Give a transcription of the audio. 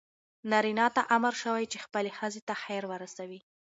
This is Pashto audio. نارینه ته امر شوی چې خپلې ښځې ته خیر ورسوي.